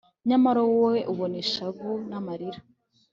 nyamara wowe ubona ishavu n'amarira